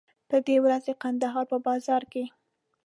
په دې ورځ د کندهار په بازار کې.